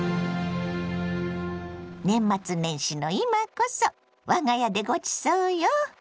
年末年始の今こそ我が家でごちそうよ。